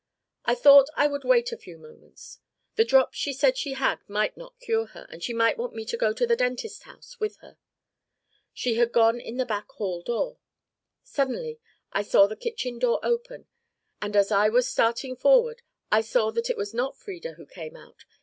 I thought I would wait a few moments. The drops she said she had might not cure her, and she might want me to go to a dentist's house with her. She had gone in the back hall door. Suddenly I saw the kitchen door open, and as I was starting forward, I saw that it was not Frieda who came out.